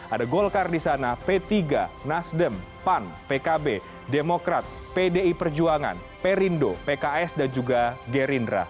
ada golkar di sana p tiga nasdem pan pkb demokrat pdi perjuangan perindo pks dan juga gerindra